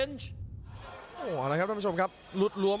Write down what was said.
ต้องบอกว่าการเดินเข้าทางในหลวมครับ